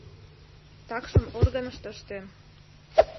Такшым органыште ыштен.